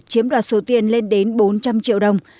chiếm đoạt số tiền lên đến bốn trăm linh triệu đồng